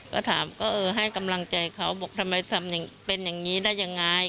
ก็ถามก็เออให้กำลังใจเขาบอกทำไมทำเป็นอย่างนี้ได้ยังไง